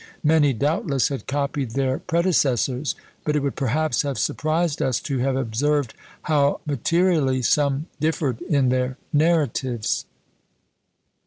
Many doubtless had copied their predecessors; but it would perhaps have surprised us to have observed how materially some differed in their narratives.